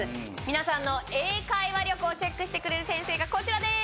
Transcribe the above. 皆さんの英会話力をチェックしてくれる先生がこちらです